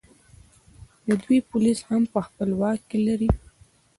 دوی پولیس هم په خپل واک کې لري